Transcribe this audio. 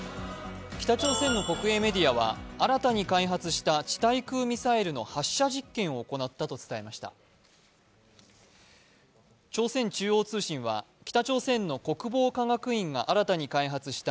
北朝鮮の国営メディアは新たに開発した地対空ミサイルの発射実験を行ったと伝えました。